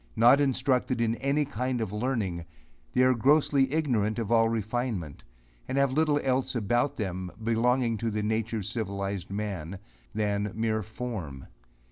Not instructed in any kind of learning, they are grossly ignorant of all refinement, and have little else about them, belonging to the nature of civilized man, than mere form.